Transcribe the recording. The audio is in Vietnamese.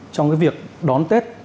trong cái việc đón tết